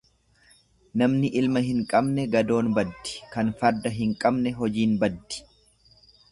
Namni ilma hin qabne gadoon baddi, kan farda hin qabne hojiin baddi.